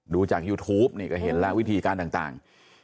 ดูจากยูทูปก็เห็นวิธีการต่าง